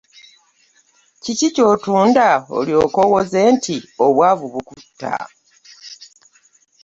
Kiki ky'otunda olyoke owoze nti obwavu bukutta?